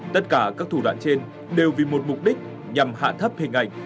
tất cả các thủ đoạn trên đều vì một mục đích nhằm hạ thấp hình ảnh